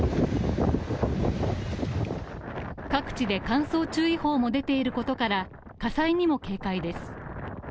各地で乾燥注意報も出ていることから火災にも警戒です。